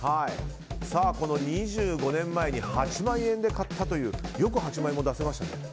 この２５年前に８万円で買った時よく８万円も出せましたね。